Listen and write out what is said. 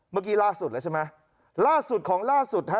เมื่อกี้ล่าสุดแล้วใช่ไหมล่าสุดของล่าสุดฮะ